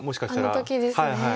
あの時ですね。